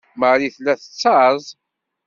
Marie tella tettaẓ.